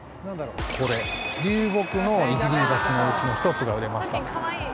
これ、流木の一輪挿しのうちの１つが売れました。